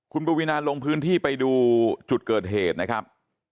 คุณปวีนาลงพื้นที่ไปดูจุดเกิดเหตุนะครับ